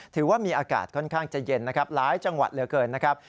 ถือว่ามีอากาศค่อนข้างจะเย็นนะครับหลายจังหวัดเหลือเกินนะครับ